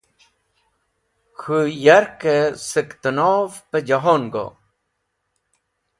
K̃hũ yakẽ sẽktẽnov pẽjehon go?